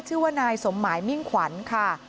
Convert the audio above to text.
ชื่อว่านายสมหมายมิ่งขวัญค่ะ